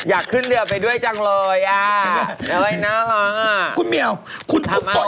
อาเล็กซ์